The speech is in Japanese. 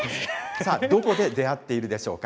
さあ、どこで出会っているでしょうか。